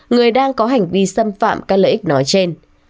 người đang có hành vi xâm phạm các lợi ích nói trên